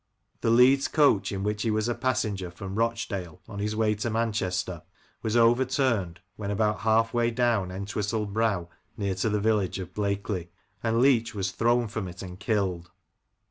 The Leeds coach, in which he was a passenger from Roch dale on his way to Manchester, was overturned when about half way down Entwistle Brow, near to the village of Blackley, and Leach was thrown from it and killed.